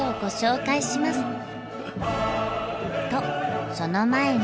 とその前に。